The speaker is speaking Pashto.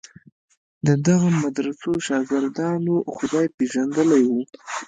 د دغو مدرسو شاګردانو خدای پېژندلی و.